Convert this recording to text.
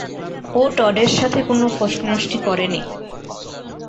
ও টডের সাথে কোনো ফষ্টিনষ্টি করেনি।